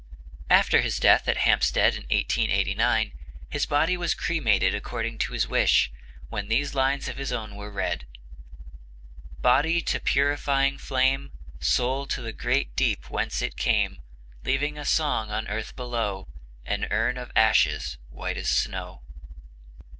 After his death at Hampstead in 1889, his body was cremated according to his wish, when these lines of his own were read: "Body to purifying flame, Soul to the Great Deep whence it came, Leaving a song on earth below, An urn of ashes white as snow."